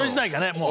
もう。